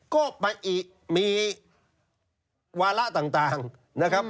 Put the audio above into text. ก็ไปมีวาระต่างนะครับ